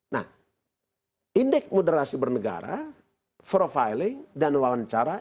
nah indeks moderasi bernegara profiling dan wawancara